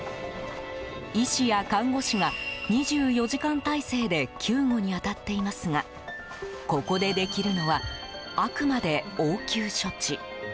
医師や看護師が２４時間体制で救護に当たっていますがここでできるのはあくまで応急処置。